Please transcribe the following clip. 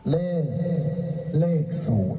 เลขเลข๐